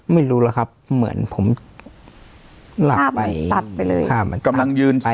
ไม่รู้หรอกครับเหมือนผมหลับไปตัดไปเลยกำนังยืน